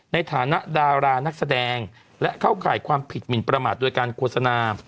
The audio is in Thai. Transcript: ในฐานะดารานักแสดงและเข้าข่ายความผิดหมินประมาทโดยการโฆษณา